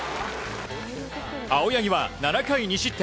青柳は７回２失点。